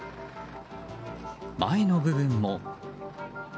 前の部分も。